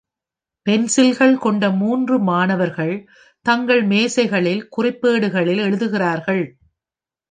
பென்சில்கள் கொண்ட மூன்று மாணவர்கள் தங்கள் மேசைகளில் குறிப்பேடுகளில் எழுதுகிறார்கள்.